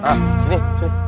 nah sini sini